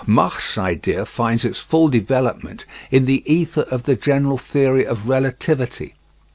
Mach's idea finds its full development in the ether of the general theory of relativity.